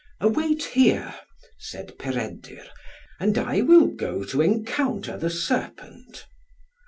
"Await here," said Peredur, "and I will go to encounter the serpent."